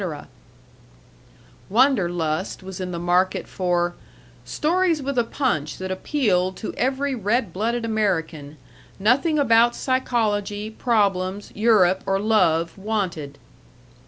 Wanderlust was in the market for "stories with a punch that appealed to every red blooded American; nothing about psychology, problems, Europe, or love wanted."